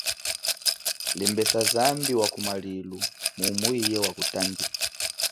Lemesa zambi wa kumalilu mumu iye wa kutangile.